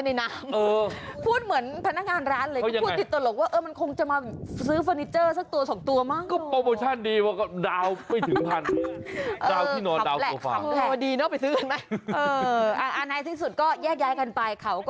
มันคูแบบคอมันจับทองหน่อย